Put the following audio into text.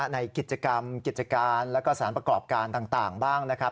ในกิจกรรมกิจการแล้วก็สารประกอบการต่างบ้างนะครับ